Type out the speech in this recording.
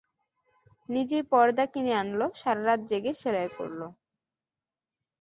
নিজেই পরদা কিনে আনল, সারা রাত জেগে সেলাই করল।